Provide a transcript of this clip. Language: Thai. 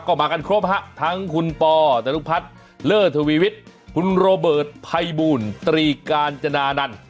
ก็มากันครบฮะทั้งคุณปอตรุพัฒน์เลอร์ทวีวิทย์คุณโรเบิร์ตภัยบูลตรีกาญจนานันต์